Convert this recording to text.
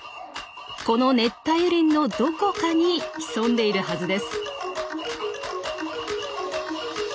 この熱帯雨林のどこかに潜んでいるはずです。